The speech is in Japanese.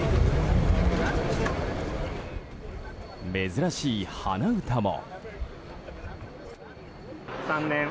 珍しい鼻歌も。